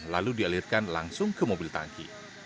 lalu dialirkan langsung ke mobil tangki